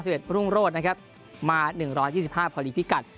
เผ็ด๙๖รุ่งโรดนะครับเผ็ด๑๒๕พรีภิกัด